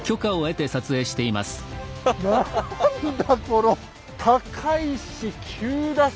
何だこの高いし急だし。